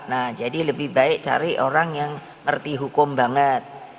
nah jadi lebih baik cari orang yang ngerti hukum banget